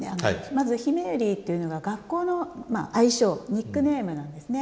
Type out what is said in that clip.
まず「ひめゆり」というのが学校の愛称ニックネームなんですね。